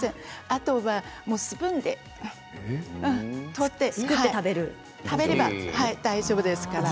あとはスプーンですくって食べれば大丈夫ですから。